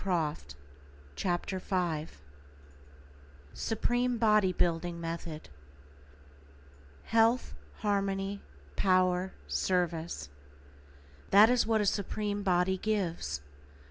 =Lesson Fifth SUPREME BODY BUILDING METHOD HEALTH, HARMONY, POWER, SERVICE:= That is what a supreme body gives.